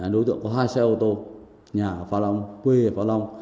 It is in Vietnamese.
đối tượng có hai xe ô tô nhà ở phá long quê ở phá long